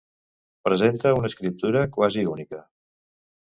Presenta una escriptura quasi única.